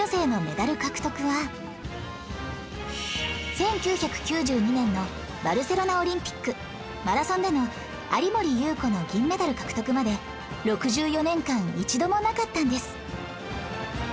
１９９２年のバルセロナオリンピックマラソンでの有森裕子の銀メダル獲得まで６４年間一度もなかったんです